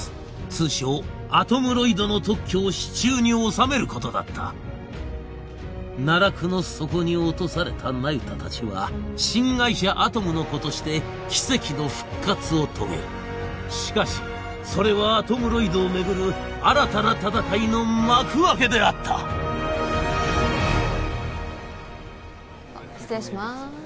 通称アトムロイドの特許を手中に収めることだった奈落の底に落とされた那由他たちは新会社アトムの童として奇跡の復活を遂げるしかしそれはアトムロイドをめぐる新たな戦いの幕開けであった失礼します